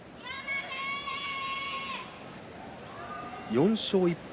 ４勝１敗